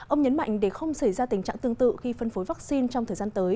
ông nhấn mạnh để không xảy ra tình trạng tương tự khi phân phối vaccine trong thời gian tới